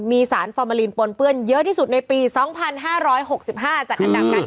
มีสารฟอร์เมลินปนเปื้อนเยอะที่สุดในปี๒๕๖๕จากอัฐับการท์